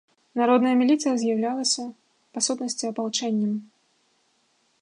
Народная міліцыя з'яўлялася, па сутнасці, апалчэннем.